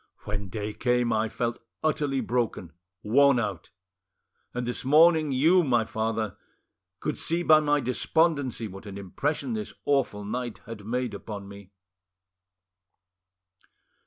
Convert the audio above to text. When day came, I felt utterly broken, worn out; and this morning, you, my father, could see by my despondency what an impression this awful night had made upon me."